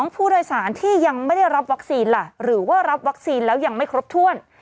ผู้โดยสารที่ยังไม่ได้รับวัคซีนล่ะหรือว่ารับวัคซีนแล้วยังไม่ครบถ้วน